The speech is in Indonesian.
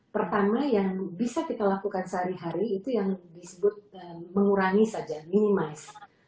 pertama yang bisa kita lakukan sehari hari itu yang disebut mengurangi saja minimize